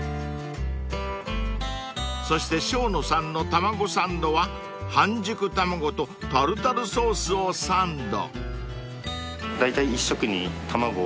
［そして生野さんの卵サンドは半熟卵とタルタルソースをサンド］